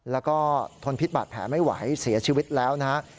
แล้วก็ทนพิษบาดแผลไม่ไหวเสียชีวิตแล้วนะครับ